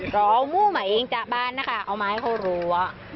ร้อหมู่หมายจากบ้านนะคะเอามาให้เขารั้ว